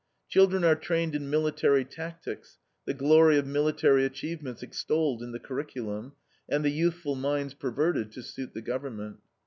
Children are trained in military tactics, the glory of military achievements extolled in the curriculum, and the youthful minds perverted to suit the government.